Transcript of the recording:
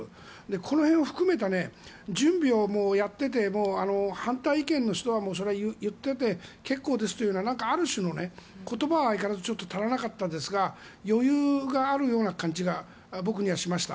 この辺を含めた準備をやっていて反対意見の人はそれは言っていて結構ですというようなある種ちょっと足らなかったんですが余裕があるような感じが僕にはしました。